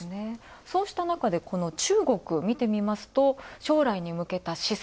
そうしたなかで、中国みてみますと、将来に向けた資産。